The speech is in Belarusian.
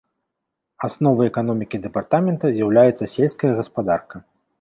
Асновай эканомікі дэпартамента з'яўляецца сельская гаспадарка.